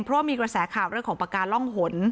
เพราะว่ามีกระแสข่าวเรื่องของปากกาล่องหน